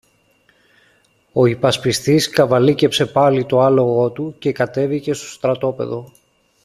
Ο υπασπιστής καβαλίκεψε πάλι το άλογο του και κατέβηκε στο στρατόπεδο.